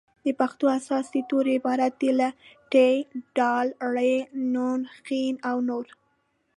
د پښتو اساسي توري عبارت دي له : ټ ډ ړ ڼ ښ او نور